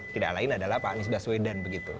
tidak lain adalah pak anies baswedan begitu